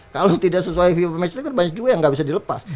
kalau tidak sesuai fifa match day kan banyak juga yang gak bisa dilepas